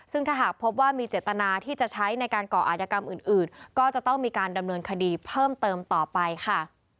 ซึ่งถ้าหากพบว่ามีเจตนาที่จะใช้ในการก่ออาจกรรมอื่นก็จะต้องมีการดำเนินคดีเพิ่มเติมต่อไปค่ะ